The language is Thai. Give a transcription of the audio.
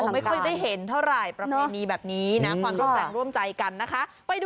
ไม่ค่อยได้เห็นเท่าไหร่ประเพณีแบบนี้นะความร่วมแรงร่วมใจกันนะคะ